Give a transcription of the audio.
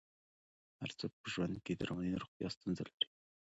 هر څوک په ژوند کې د رواني روغتیا ستونزه لري.